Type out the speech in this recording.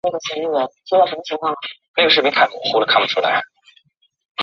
格拉斯哥现代艺术美术馆是英国苏格兰城市格拉斯哥主要的现代艺术美术馆。